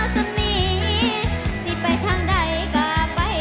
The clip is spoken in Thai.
สิทธิ์ไปทางใดก็เอาไป